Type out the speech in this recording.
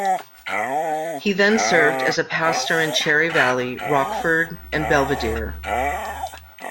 He then served as a pastor in Cherry Valley, Rockford, and Belvidere.